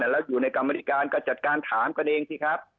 แล้วอยู่ในกรรมธิการก็จัดการถามกันเองสิครับ